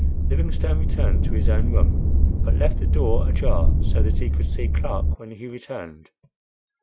Livingstone returned to his own room; but left the door ajar so that he could see Clark when he returned.